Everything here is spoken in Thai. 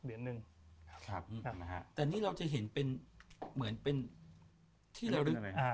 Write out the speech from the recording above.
แต่นี่เราจะเห็นเหมือนเป็นที่แล้วหรือ